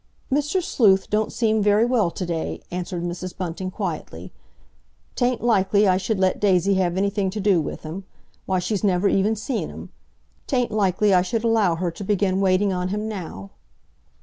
"Mr. Sleuth don't seem very well to day," answered Mrs. Bunting quietly. "'Tain't likely I should let Daisy have anything to do with him. Why, she's never even seen him. 'Tain't likely I should allow her to begin waiting on him now."